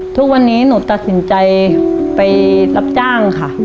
ทุกวันนี้หนูตัดสินใจไปรับจ้างค่ะ